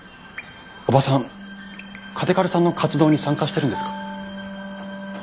おばさん嘉手刈さんの活動に参加してるんですか？